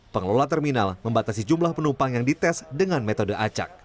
pengelola terminal membatasi jumlah penumpang yang dites dengan metode acak